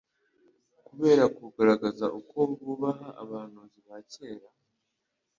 Kubera kugaragaza uko bubaha abahanuzi ba kera